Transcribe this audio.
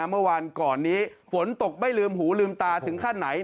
เมื่อวานก่อนนี้ฝนตกไม่ลืมหูลืมตาถึงขั้นไหน